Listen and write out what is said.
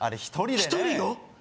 １人よ